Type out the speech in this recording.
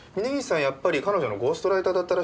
やっぱり彼女のゴーストライターだったらしいよ。